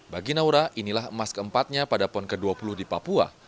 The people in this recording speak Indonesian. bagi naura inilah emas keempatnya pada pon ke dua puluh di papua